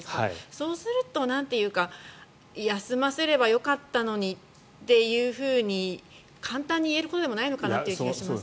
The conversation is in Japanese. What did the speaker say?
そうすると休ませればよかったのにと簡単に言えることでもないのかという気がします。